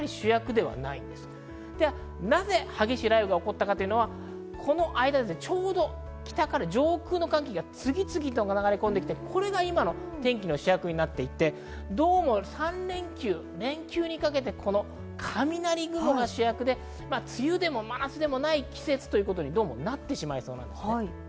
では、なぜ激しい雷雨が起こったのかというと、この間、ちょうど北から上空の寒気が次々と流れ込んできてこれが今の天気の主役になっていてどうも３連休、雷雲が主役で、梅雨でも真夏でもない季節ということになってしまいそうです。